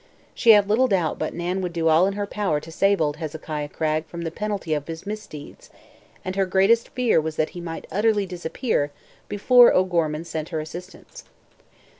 She had little doubt but Nan would do all in her power to save old Hezekiah Cragg from the penalty of his misdeeds, and her greatest fear was that he might utterly disappear before O'Gorman sent her assistance.